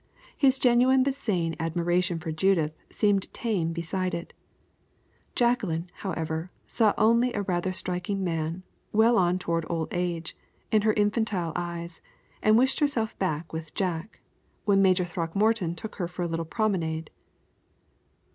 His genuine but sane admiration for Judith seemed tame beside it. Jacqueline, however, only saw a rather striking man, well on toward old age, in her infantile eyes, and wished herself back with Jack, when Major Throckmorton took her for a little promenade.